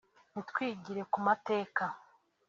nitwigire ku mateka